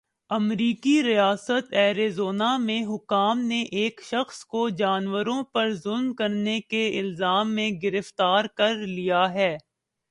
امریکی ریاست ایریزونا میں حکام نے ایک شخص کو جانوروں پر ظلم کرنے کے الزام میں گرفتار کرلیا ہے۔